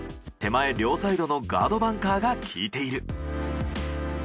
手前両サイドのガードバンカーが効いている。